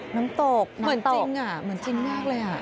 น้ำตกเหมือนจริงเหมือนจริงมากเลย